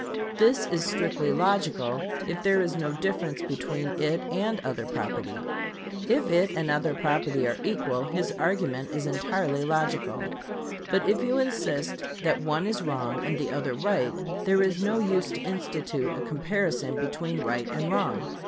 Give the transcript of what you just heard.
This is strictly logical if there is no difference between it and other property. If it and other property are equal, his argument is entirely logical. But if you insist that one is wrong and the other right, there is no use to institute a comparison between right and wrong.